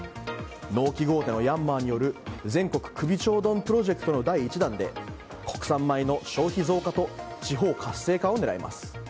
農機具大手のヤンマーによる全国首長丼プロジェクトの第１弾で国産米の消費増加と地方活性化を狙います。